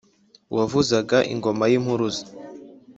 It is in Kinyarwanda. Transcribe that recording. uwavuzaga ingoma y'impuruza